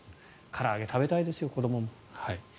から揚げ食べたいです子どもも。